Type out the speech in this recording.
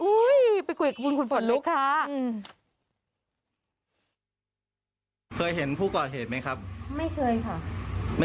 อุ๊ยไปกุยกับบุญคุณฝ่อนลูกค้า